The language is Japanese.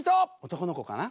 男の子かな？